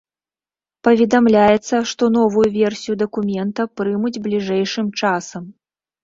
Паведамляецца, што новую версію дакумента прымуць бліжэйшым часам.